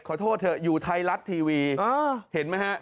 ขอโทษเถอะอยู่ไทยรัฐทีวีเห็นไหมฮะ